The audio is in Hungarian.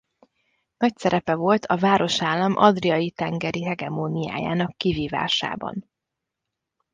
Nagy szerepe volt a városállam adriai tengeri hegemóniájának kivívásában.